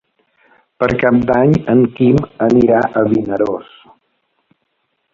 Per Cap d'Any en Quim anirà a Vinaròs.